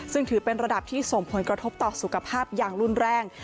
ซึ่งถือเป็นระดับที่ส่งผลกระทบต่อสุขภาพอย่างรุนแรง